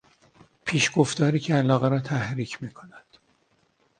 پیشگفتاری که علاقه را تحریک میکند